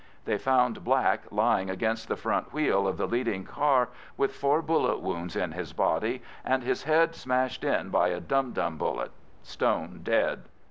They found Black lying against the front wheel of the leading car with four bullet wounds in his body and his head smashed in by a dum dum bullet—stone dead.